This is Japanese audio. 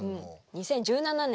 ２０１７年。